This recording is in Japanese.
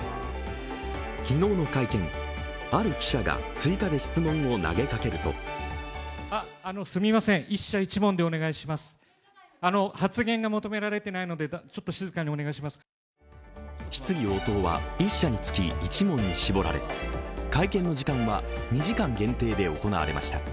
昨日の会見、ある記者が追加で質問を投げかけると質疑応答は１社につき１問に絞られ、会見の時間は２時間限定で行われました。